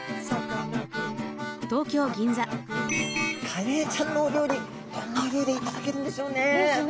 カレイちゃんのお料理どんなふうで頂けるんでしょうね。